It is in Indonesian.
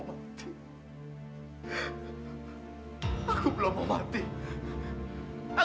aku tidak mau